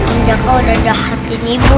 om jaka udah jahatin ibu